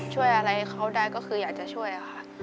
ช่วยอะไรเขาได้ก็คืออยากจะช่วยค่ะ